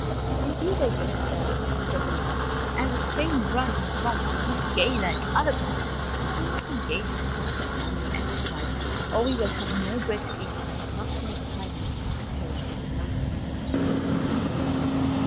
"Indeed I do, sir," said the lad. "I would fain run and romp and be gay like other boys, but I must engage in constant manual exercise, or we will have no bread to eat and I have not seen a pie since papa perished in the moist and moaning sea."